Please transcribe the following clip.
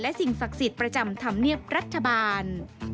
และสิ่งศักดิ์สิทธิ์ประจำธรรมเนียบรัฐบาล